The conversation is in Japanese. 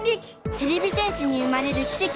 てれび戦士に生まれるきせき